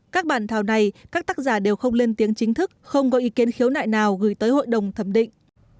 các bản thảo này các tác giả đều không lên tiếng chính thức không có ý kiến khiếu nại nào gửi tới hội đồng thẩm định